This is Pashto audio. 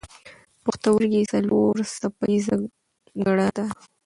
پوښتورګی څلور څپه ایزه ګړه ده.